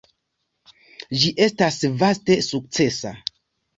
Ĝi estas vaste sukcesa.